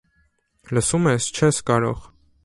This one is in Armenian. Լսո՞ւմ ես, չես կարող…